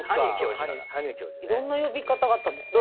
いろんな呼び方があったんですね。